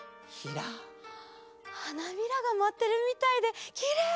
はなびらがまってるみたいできれい！